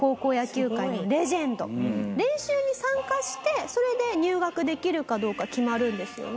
練習に参加してそれで入学できるかどうか決まるんですよね。